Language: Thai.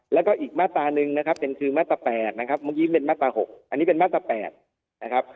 แล้วก็อีกมาตราหนึ่งนะครับเป็นคือมาตรา๘นะครับเมื่อกี้เป็นมาตรา๖อันนี้เป็นมาตรา๘นะครับ